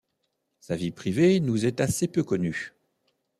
Sa vie privée nous est assez peu connue.